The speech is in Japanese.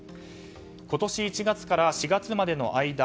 今年１月から４月までの間